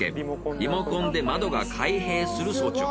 リモコンで窓が開閉する装置を。